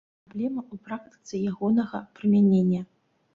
Праблема ў практыцы ягонага прымянення.